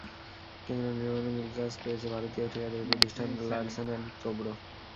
কেন্দ্র নির্মাণের মূল কাজ পেয়েছে ভারতীয় ঠিকাদারি প্রতিষ্ঠান লারসেন অ্যান্ড টোবরো।